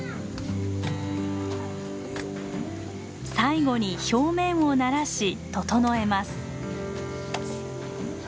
最後に表面をならし整えます。